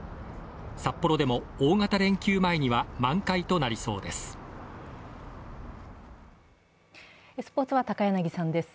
札幌でも大型連休前には満開となりそうです。